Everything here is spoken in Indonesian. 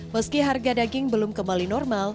meski harga daging belum kembali normal